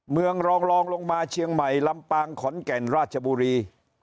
เมืองรองลงมาเชียงใหม่ลำปางขอนแก่นราชบุรี